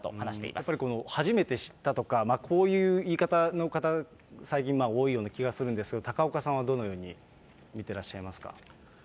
やっぱりこの初めて知ったとか、こういう言い方の方、最近多いような気がするんですが、高岡さんはどのように見てらっしゃいますか。